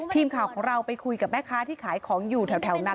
ทีมข่าวของเราไปคุยกับแม่ค้าที่ขายของอยู่แถวนั้น